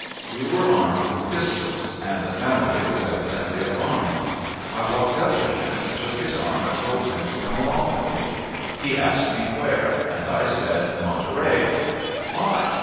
We were armed with pistols, and the family was evidently alarmed. I walked up to him and took his arm, and told him to come along with me. He asked me, "Where?" and I said, "Monterey." "Why?"